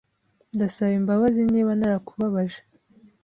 Ndasaba imbabazi niba narakubabaje.